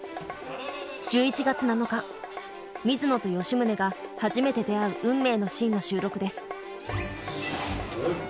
１１月７日水野と吉宗が初めて出会う運命のシーンの収録です。